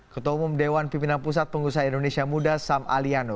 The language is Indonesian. ketua umum dewan pimpinan pusat pengusaha indonesia muda sam aliano